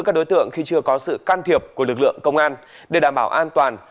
các đối tượng khi chưa có sự can thiệp của lực lượng công an để đảm bảo an toàn